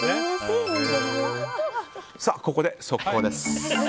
ここで速報です。